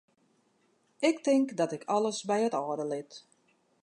Ik tink dat ik alles by it âlde lit.